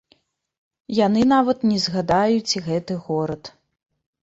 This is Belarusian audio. Яны нават не згадаюць гэты горад.